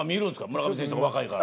村上選手とか若いから。